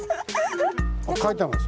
書いてあります